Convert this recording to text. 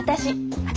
私！